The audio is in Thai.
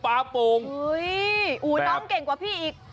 โป่งน้องเก่งกว่าพี่อีก